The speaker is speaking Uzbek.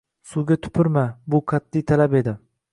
“Suvga tupurma!” Bu qat’iy talab edi